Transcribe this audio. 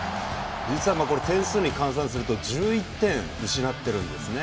実は点数に換算すると１１点失っているんですね。